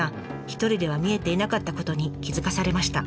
一人では見えていなかったことに気付かされました。